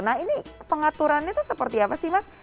nah ini pengaturannya itu seperti apa sih mas